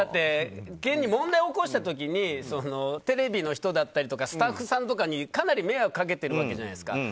現に問題を起こした時にテレビの人やスタッフさんにかなり迷惑をかけているわけじゃないですか。